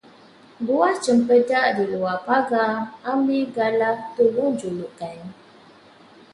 Buah cempedak di luar pagar, ambil galah tolong jolokkan.